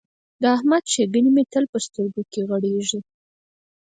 د احمد ښېګڼې مې تل په سترګو کې غړېږي.